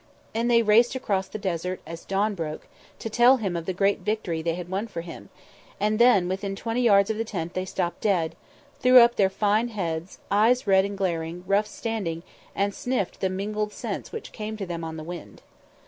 And they raced across the desert as the dawn broke, to tell Him of the great victory they had won for Him; and then, within twenty yards of the tent they stopped dead, threw up their fine heads, eyes red and glaring, ruffs standing, and sniffed the mingled scents which came to them on the wind.